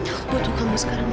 aku butuh kamu sekarang